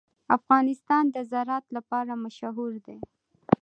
افغانستان د زراعت لپاره مشهور دی.